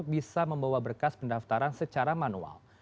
bisa membawa berkas pendaftaran secara manual